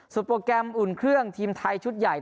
โปรแกรมอุ่นเครื่องทีมไทยชุดใหญ่